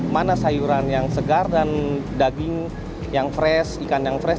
mana sayuran yang segar dan daging yang fresh ikan yang fresh